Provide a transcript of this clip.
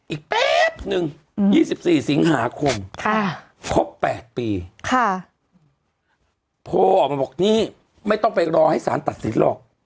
แป๊บนึง๒๔สิงหาคมครบ๘ปีโทรออกมาบอกนี่ไม่ต้องไปรอให้สารตัดสินหรอก